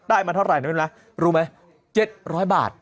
ได้มาเท่าไรรู้ไหม๗๐๐บาท